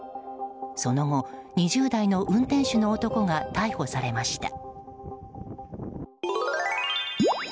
その後、２０代の運転手の男が逮捕されました。